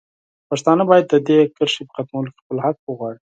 پښتانه باید د دې کرښې په ختمولو کې خپل حق وغواړي.